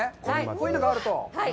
こういうのがあると。